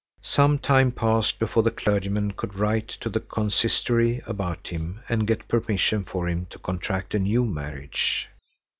Some time passed before the clergyman could write to the consistory about him and get permission for him to contract a new marriage.